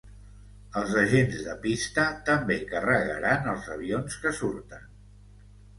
Els agents de pista també carregaran els avions que surten.